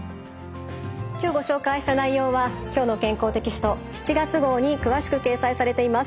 今日ご紹介した内容は「きょうの健康」テキスト７月号に詳しく掲載されています。